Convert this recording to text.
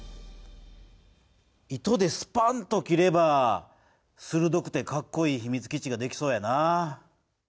糸でスパンと切ればするどくてかっこいいひみつ基地が出来そうやなぁ。